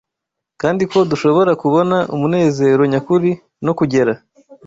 kandi ko dushobora kubona umunezero nyakuri no kugera